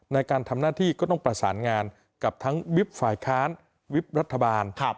ในการทำหน้าที่ก็ต้องประสานงานกับทั้งวิบฝ่ายค้านวิบรัฐบาล